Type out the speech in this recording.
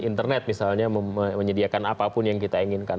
internet misalnya menyediakan apapun yang kita inginkan